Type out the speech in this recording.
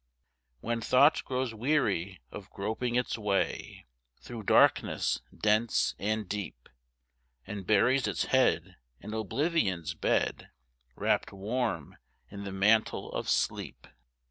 When thought grows weary of groping its way Through darkness dense and deep, And buries its head in oblivion's bed, Wrapped warm in the mantle of sleep.